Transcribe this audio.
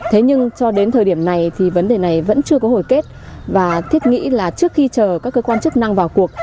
thế nhưng cho đến thời điểm này thì vấn đề này vẫn chưa có hồi kết và thiết nghĩ là trước khi chờ các cơ quan chức năng vào cuộc